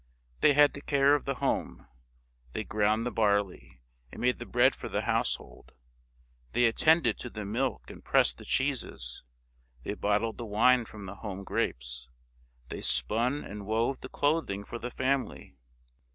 They had the care of the home ; they ground the barley and made the bread for the household ; they attended to the milk and pressed the cheeses ; they bottled the wine from the home grapes ; they spun and wove the clothing for the family.